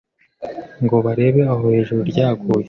ngo barebe aho ijuru ryaguye